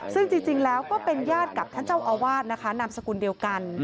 ซึ่งจริงแล้วก็เป็นญาติกับท่านเจ้าอาวาสนะคะนามสกุลเดียวกัน